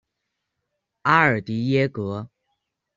阿尔迪耶格。